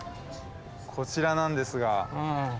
こちらなんですが。